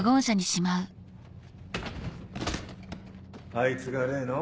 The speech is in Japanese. あいつが例の？